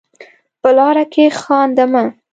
په لاره کې خانده مه.